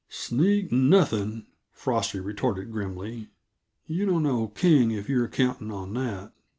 "Sneak nothing," Frosty retorted grimly. "You don't know King, if you're counting on that."